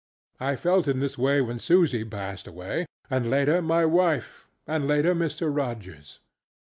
I felt in this way when Susy passed away; and later my wife, and later Mr. Rogers.